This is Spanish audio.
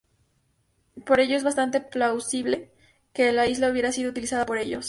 Por ello es bastante plausible que la isla hubiera sido utilizada por ellos.